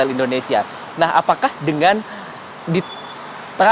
kita bisa melihat